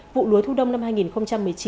vụ lúa thu đông năm hai nghìn một mươi chín